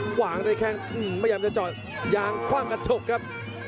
หวางในแข่งพยายามจะจอดอย่างความกัดฉกครับ